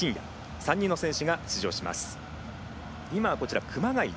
３人の選手が出場します。